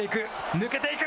抜けていく！